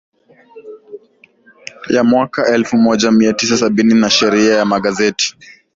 ya mwaka elfu moja mia tisa sabini na Sheria ya Magazeti